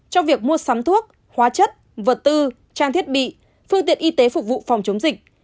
trong việc mua sắm thuốc hóa chất vật tư trang thiết bị phương tiện y tế phục vụ phòng chống dịch